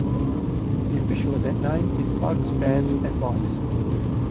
The official event name is "Bugs Bands and Bikes".